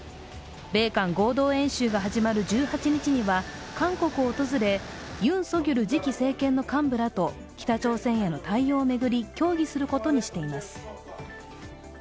米韓合同演習が始まる１８日には韓国を訪れユン・ソギョル次期政権の幹部らと北朝鮮への対応を巡り協議することにしています。